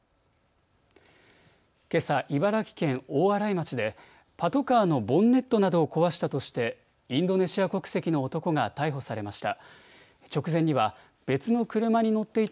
けさ、茨城県大洗町でパトカーのボンネットなどを壊したとしてインドネシア国籍の男が逮捕されました。